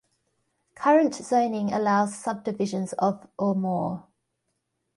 Current zoning allows subdivisions of or more.